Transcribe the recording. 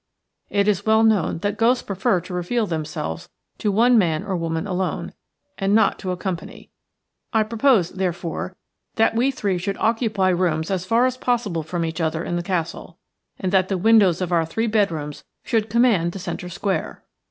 It is well known that ghosts prefer to reveal themselves to one man or woman alone, and not to a company. I propose, therefore, that we three should occupy rooms as far as possible each from the other in the castle, and that the windows of our three bedrooms should command the centre square."